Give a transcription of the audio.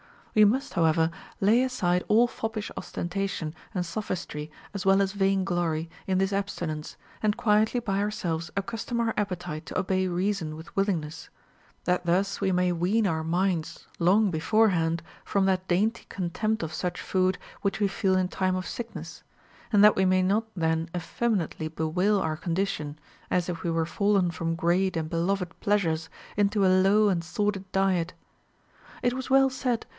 AVe must, however, lay aside all foppish ostentation and sophistry as well as vain glory in this abstinence, and quietly by ourselves accustom our ap petite to obey reason with willingness, that thus we may wean our minds long beforehand from that dainty contempt of such food which we feel in time of sickness, and that w^e may not then effeminately bewail our condition, as if we were fallen from great and beloved pleasures into a low and sordid diet. It Avas well s;dd.